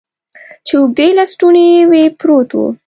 چې اوږدې لستوڼي یې وې، پروت و.